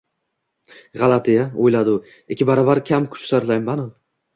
«G‘alati-ya, — o‘yladi u, — ikki baravar kam kuch sarflayapmanu